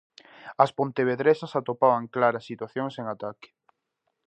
As pontevedresas atopaban claras situacións en ataque.